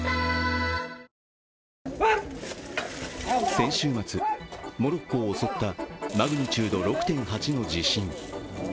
先週末、モロッコを襲ったマグニチュード６．８の地震。